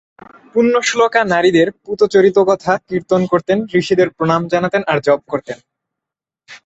পুণ্যশ্লোকা নারীদের পূত চরিতকথা কীর্তন করতেন, ঋষিদের প্রণাম জানাতেন, আর জপ করতেন।